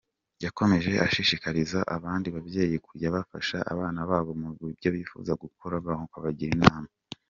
Yakomeje ashishikariza abandi babyeyi kujya bafasha abana babo mubyo bifuza gukora maze bakabagira inama.